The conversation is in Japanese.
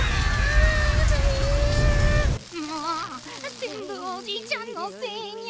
もうぜんぶおじいちゃんのせいニャ。